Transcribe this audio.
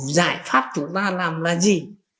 giải pháp chúng ta làm là gì